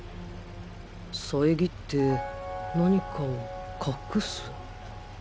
さえぎって何かを隠す！？